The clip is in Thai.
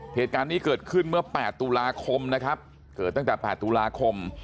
เหตุการณ์นี้เกิดขึ้นเมื่อ๘ตุลาคมนะครับเกิดตั้งแต่๘ตุลาคม